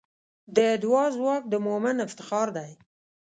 د دعا ځواک د مؤمن افتخار دی.